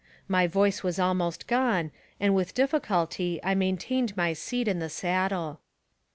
My voice was almost gone, and with difficulty I maintained my seat in the saddle.